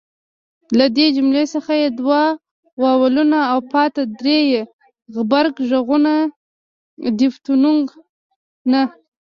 له دې جملې څخه ئې دوه واولونه او پاته درې ئې غبرګ ږغونه دیفتونګونه